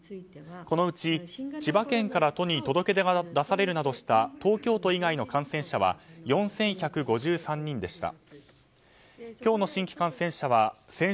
このうち、千葉県から都に届け出が出されるなどした東京都以外の感染者は４１５３人でした。